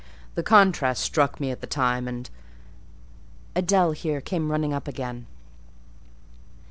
The contrast struck me at the time and—" Adèle here came running up again.